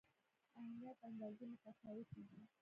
اهمیت اندازې متفاوتې دي.